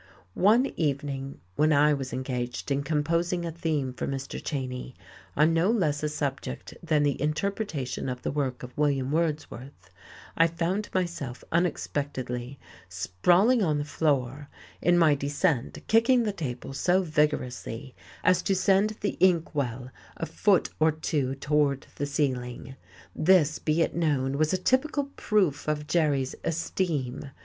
One evening when I was engaged in composing a theme for Mr. Cheyne on no less a subject than the interpretation of the work of William Wordsworth, I found myself unexpectedly sprawling on the floor, in my descent kicking the table so vigorously as to send the ink well a foot or two toward the ceiling. This, be it known, was a typical proof of Jerry's esteem.